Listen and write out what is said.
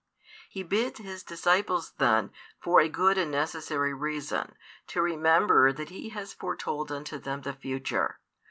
He bids His disciples then, for a good and necessary reason, to remember that He has foretold unto them the future.